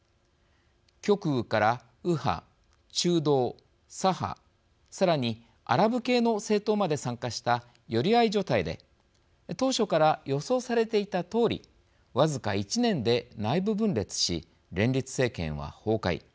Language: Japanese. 極右から、右派、中道、左派さらにアラブ系の政党まで参加した寄り合い所帯で当初から予想されていたとおり僅か１年で内部分裂し連立政権は崩壊。